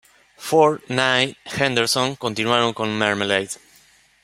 Ford, Knight y Henderson continuaron con Marmalade.